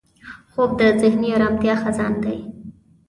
خوب د ذهني ارامتیا خزان دی